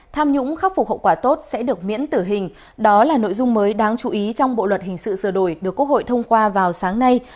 tham nhũng khắc phục hậu quả tốt sẽ được miễn tử hình đó là nội dung mới đáng chú ý trong bộ luật hình sự sửa đổi được quốc hội thông qua vào sáng nay